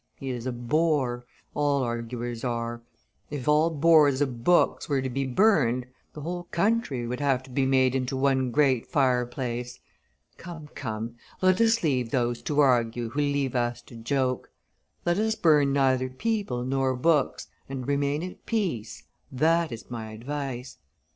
He is a bore; all arguers are. If all bores of books were to be burned, the whole country would have to be made into one great fireplace. Come, come, let us leave those to argue who leave us to joke; let us burn neither people nor books and remain at peace, that is my advice.